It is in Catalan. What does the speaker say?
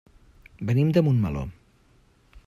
Venim de Montmeló.